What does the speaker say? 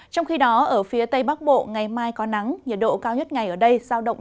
trong khi đó ở phía tây bắc bộ ngày mai có nắng nhiệt độ cao nhất ngày ở đây giao động